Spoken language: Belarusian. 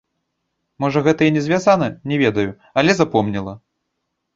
Можа гэта і не звязана, не ведаю, але запомніла.